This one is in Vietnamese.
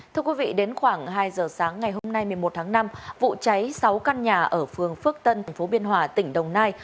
thưa quý vị đến khoảng hai giờ sáng ngày hôm nay một mươi một tháng năm vụ cháy sáu căn nhà ở phường phước tân tp biên hòa tỉnh đồng nai